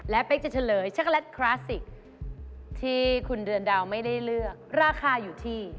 และเป๊กจะเฉลยช็กโกแลตคลาสสิกที่คุณเรือนดาวไม่ได้เลือกราคาอยู่ที่